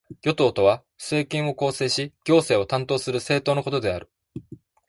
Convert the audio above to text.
与党とは、政権を構成し行政を担当する政党のことである。